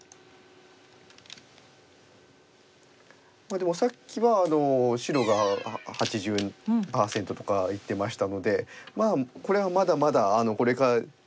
でもさっきは白が８０％とかいってましたのでまあこれはまだまだこれからいろんなことが起きると思います。